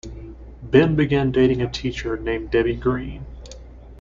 Ben began dating a teacher named Debbie Green.